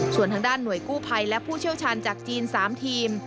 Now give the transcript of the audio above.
ส่วนทางด้านหน่วยกู้ภัยและผู้เชี่ยวชาญจากจีน๓ทีม